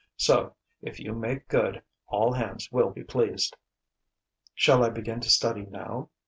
So, if you make good, all hands will be pleased." "Shall I begin to study now?"